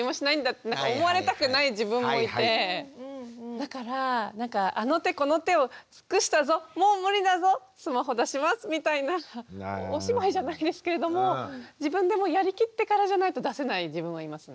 だからあの手この手を尽くしたぞもう無理だぞスマホ出しますみたいなお芝居じゃないですけれども自分でもやりきってからじゃないと出せない自分はいますね。